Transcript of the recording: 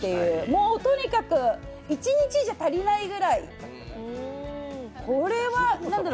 もうとにかく、一日じゃ足りないくらい。